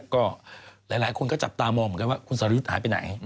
ก็หลายคนก็จับตามองเหมือนกันว่าคุณสรยุทธ์หายไปไหน